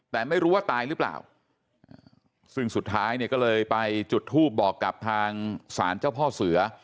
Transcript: แต่ไม่รู้ว่าตายหรือเปล่าซึ่งสุดท้ายเนี่ยก็เลยไปจุดทูปบอกกับทางศาลเจ้าพ่อเสือ